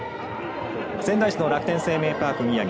仙台市の楽天生命パーク宮城。